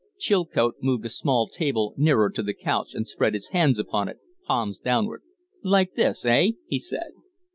Chilcote moved a small table nearer to the couch and spread his hands upon it, palms downward. "Like this, eh?" he said.